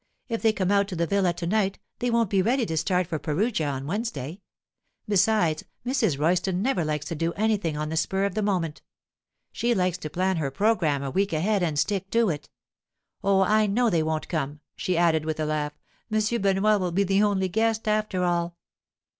If they come out to the villa to night they won't be ready to start for Perugia on Wednesday. Besides, Mrs. Royston never likes to do anything on the spur of the moment. She likes to plan her programme a week ahead and stick to it. Oh, I know they won't come,' she added with a laugh. 'M. Benoit will be the only guest, after all.